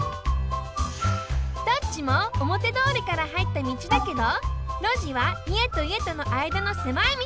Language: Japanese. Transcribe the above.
どっちもおもてどおりからはいった道だけど「路地」はいえといえとのあいだのせまい道。